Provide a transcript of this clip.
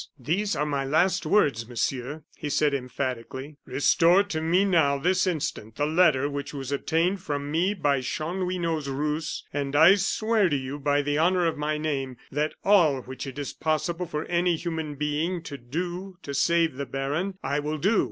"These are my last words, Monsieur," he said, emphatically. "Restore to me, now, this instant, the letter which was obtained from me by Chanlouineau's ruse, and I swear to you, by the honor of my name, that all which it is possible for any human being to do to save the baron, I will do.